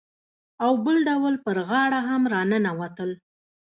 او بل ډول پر غاړه هم راننوتل.